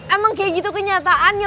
emang kayak gitu kenyataannya